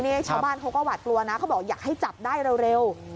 ไว้ชาวบ้านเขาก็หวาดกลัวนะอยากให้จับได้เร็ว